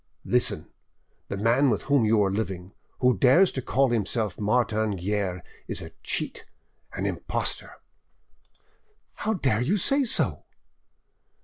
Listen: the man with whom you are living, who dares to call himself Martin Guerre, is a cheat, an impostor——" "How dare you say so?"